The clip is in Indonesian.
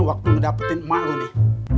waktu mendapetin emak lo nih